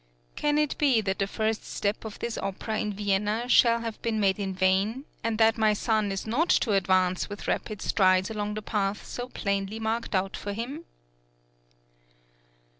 Can it be that the first step of this opera in Vienna shall have been made in vain, and that my son is not to advance with rapid strides along the path so plainly marked out for him?